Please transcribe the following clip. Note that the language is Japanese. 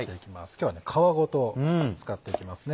今日は皮ごと使っていきますね。